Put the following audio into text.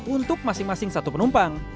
untuk masing masing satu penumpang